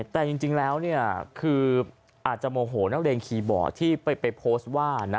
แต่จริงแล้วคืออาจจะโมโหนักเรียนคีย์บอร์ดที่ไปโพสต์ว่า